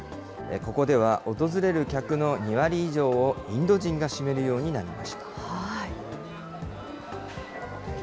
ここでは、訪れる客の２割以上をインド人が占めるようになりました。